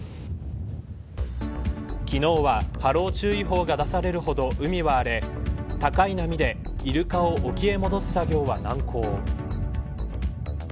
昨日は、波浪注意報が出されるほど海は荒れ高い波でイルカを沖へ戻す作業は難航。